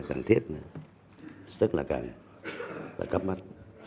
cần thiết rất là cần là cấp bắt